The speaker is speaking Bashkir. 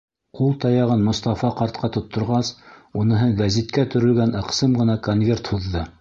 Ҡул таяғын Мостафа ҡартҡа тотторғас уныһы гәзиткә төрөлгән ыҡсым ғына конверт һуҙҙы.